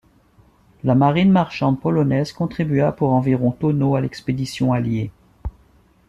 La marine marchande polonaise contribua pour environ tonneaux à l'expédition alliée.